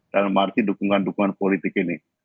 dalam arti dukungan dukungan politik ini